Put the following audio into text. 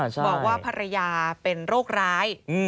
บอกว่าภรรยาเป็นโรคร้าย